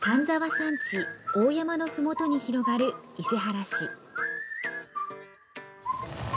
山地大山のふもとに広がる伊勢原市。